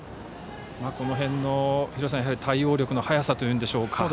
この辺の対応力の早さというんでしょうか。